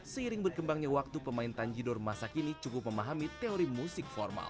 seiring berkembangnya waktu pemain tanjidor masa kini cukup memahami teori musik formal